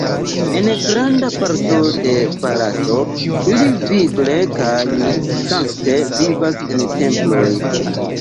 En granda parto de Barato ili vigle kaj sankte vivas en temploj.